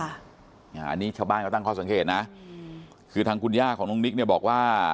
อันนี้ชาวบ้านเขาตั้งข้อสังเกตนะคือทางคุณย่าของน้องนิกเนี่ยบอกว่า